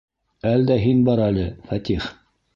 Әл дә һин бар әле, Фәтих!..